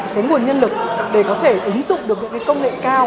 cái nguồn nhân lực để có thể ứng dụng được những cái công nghệ cao